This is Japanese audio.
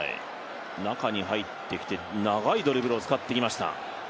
中に入ってきて、長いドリブルを使ってきました。